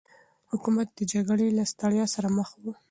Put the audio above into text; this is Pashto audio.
حکومت د جګړې له ستړيا سره مخ و.